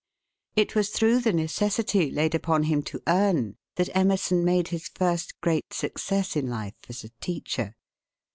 It was through the necessity laid upon him to earn that Emerson made his first great success in life as a teacher.